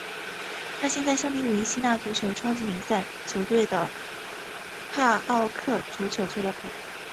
他现在效力于希腊足球超级联赛球队帕奥克足球俱乐部。